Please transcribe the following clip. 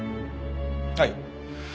はい。